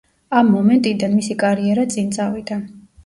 ამ მომენტიდან, მისი კარიერა წინ წავიდა.